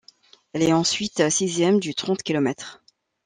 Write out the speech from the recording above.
Elle est ensuite sixième du trente kilomètres.